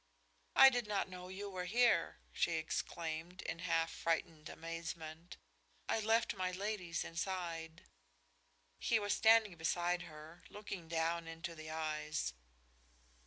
"I did not know you were here," she exclaimed, in half frightened amazement. "I left my ladies inside." He was standing beside her, looking down into the eyes.